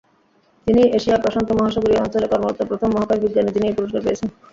তিনিই এশিয়া-প্রশান্ত মহাসাগরীয় অঞ্চলে কর্মরত প্রথম মহাকাশ বিজ্ঞানী যিনি এই পুরস্কার পেয়েছেন।